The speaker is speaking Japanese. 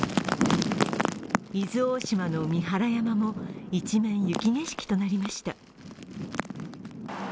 伊豆大島の三原山も一面、雪景色となりました。